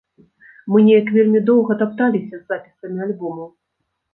Мы неяк вельмі доўга тапталіся з запісамі альбомаў.